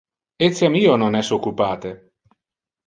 Etiam io non es occupate.